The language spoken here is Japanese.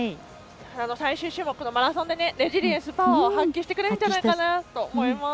最終種目のマラソンでレジリエンスパワーを発揮してくれるんじゃないかなと思います。